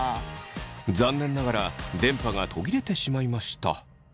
残念ながら電波が途切れてしまいました。